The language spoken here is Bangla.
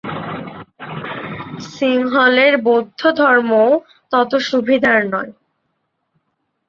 সিংহলের বৌদ্ধধর্মও তত সুবিধার নয়।